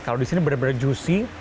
kalau di sini benar benar juicy